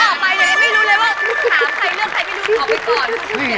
คุยพอออกไปเดี๋ยวไม่รู้เลยว่าหาใครเลือกใครไปดูของไปก่อน